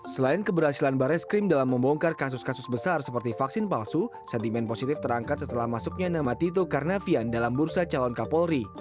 selain keberhasilan barreskrim dalam membongkar kasus kasus besar seperti vaksin palsu sentimen positif terangkat setelah masuknya nama tito karnavian dalam bursa calon kapolri